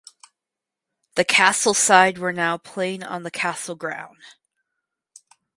The Castle side were now playing on the Castle ground.